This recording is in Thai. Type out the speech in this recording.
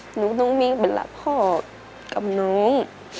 หนูต้องมีเวลาพ่อกับน้อง